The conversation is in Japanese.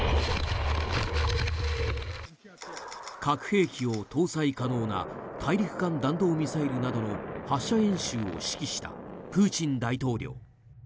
核兵器を搭載可能な大陸間弾道ミサイルなどの発射演習を指揮したプーチン大統領。